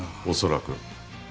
おそらく。